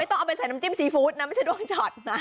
ต้องเอาไปใส่น้ำจิ้มซีฟู้ดนะไม่ใช่ด้วงช็อตนะ